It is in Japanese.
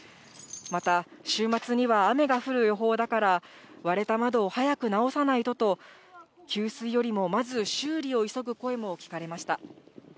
また、週末には雨が降る予報だから、割れた窓を早く直さないとと、給水よりもまず、修理を急ぐ声も聞かれました。